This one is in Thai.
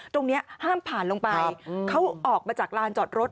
ตรงนี้ห้ามผ่านลงไปเขาออกมาจากลานจอดรถ